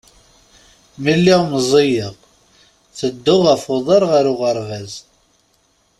Mi lliɣ meẓẓiyeɣ, tedduɣ ɣef uḍar ɣer uɣerbaz.